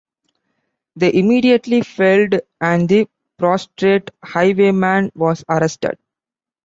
They immediately fled, and the prostrate highwayman was arrested.